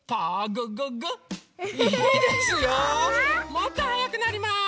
もっとはやくなります。